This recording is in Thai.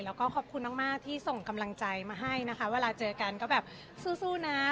แล้วก็ขอบคุณมากที่ส่งกำลังใจมาให้นะคะเวลาเจอกันก็แบบสู้นะ